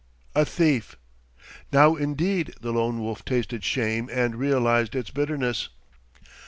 A thief! Now indeed the Lone Wolf tasted shame and realized its bitterness....